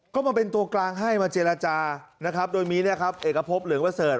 ก็มาเป็นตัวกลางให้มาเจรจานะครับโดยมีเอกพบเหลืองเบอร์เซิร์ด